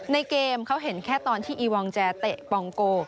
ในเกมเขาเห็นแค่ตอนที่อีวองแจเตะปองโก